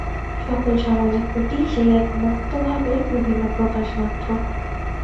সকল সামাজিক গতিই সেই এক মুক্তভাবের বিভিন্ন প্রকাশমাত্র।